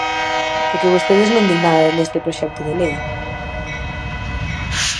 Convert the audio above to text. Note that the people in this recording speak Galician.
Porque vostedes non din nada neste proxecto de lei.